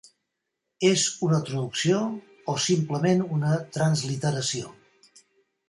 És una traducció o simplement una transliteració?